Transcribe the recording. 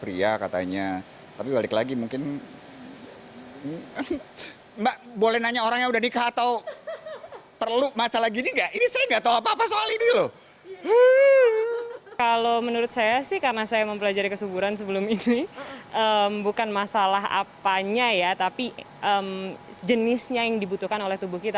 ini bukan masalah apanya ya tapi jenisnya yang dibutuhkan oleh tubuh kita